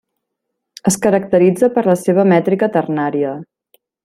Es caracteritza per la seva mètrica ternària.